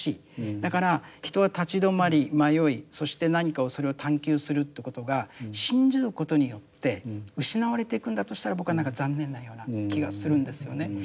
だから人は立ち止まり迷いそして何かをそれを探求するってことが信じることによって失われていくんだとしたら僕はなんか残念なような気がするんですよね。